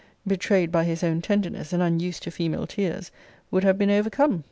] betrayed by his own tenderness, and unused to female tears, would have been overcome?